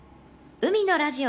「海のラジオ」